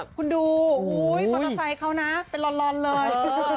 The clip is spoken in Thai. คุณดูมอเตอร์ไซค์เขานะเป็นลอนเลย